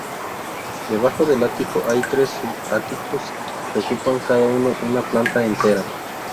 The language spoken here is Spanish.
Debajo del ático hay tres sub-áticos que ocupan cada uno una planta entera.